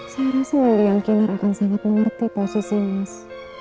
saya rasa mendiang kinor akan sangat mengerti posisi mas